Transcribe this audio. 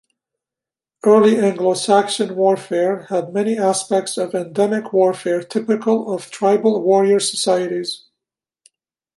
Early Anglo-Saxon warfare had many aspects of endemic warfare typical of tribal warrior societies.